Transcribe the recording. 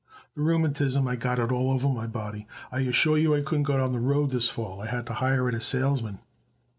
"The rheumatism I got it all over my body. I assure you I couldn't go out on the road this fall. I had to hire it a salesman."